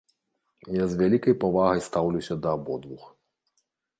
Я з вялікай павагай стаўлюся да абодвух.